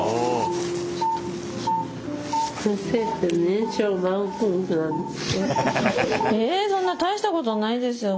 えそんな大したことないですよ